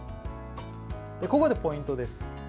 ここでポイントです。